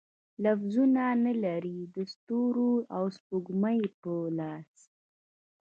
لفظونه، نه لري د ستورو او سپوږمۍ په لاس